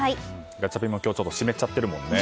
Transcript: ガチャピンも今日ちょっと湿っちゃってるもんね。